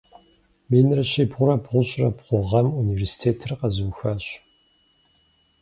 Минрэ щибгъурэ бгъущӏрэ бгъу гъэм университетыр къэзыухащ.